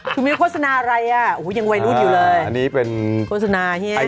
คุณมิ้วโฆษณาอะไรอ่ะโอ้โหยังไวรูดอยู่เลยโฆษณาเฮีย